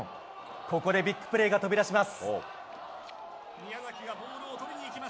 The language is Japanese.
ここでビッグプレーが飛び出します。